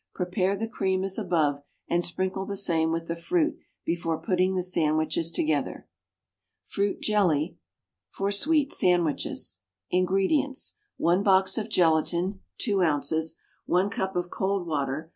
Prepare the cream as above, and sprinkle the same with the fruit before putting the sandwiches together. =Fruit Jelly for Sweet Sandwiches.= INGREDIENTS. 1 box of gelatine (2 ounces). 1 cup of cold water.